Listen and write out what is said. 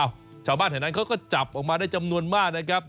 ชาวบ้านแถวนั้นเขาก็จับออกมาได้จำนวนมากนะครับ